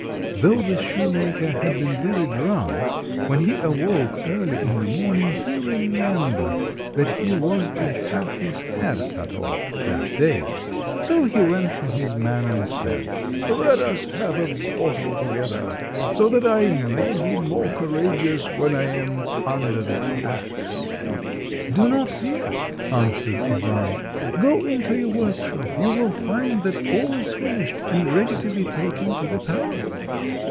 Though the shoemaker had been very drunk, when he awoke early in the morning he remembered that he was to have his head cut off that day. So he went to his man and said— "Let us have a bottle together, so that I may be more courageous when I am under the axe." "Do not fear," answered Ivan; "go into your workshop. You will find that all is finished, and ready to be taken to the palace."